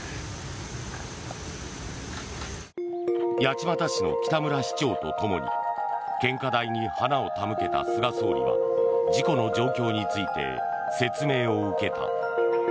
八街市の北村市長とともに献花台に花を手向けた菅総理は事故の状況について説明を受けた。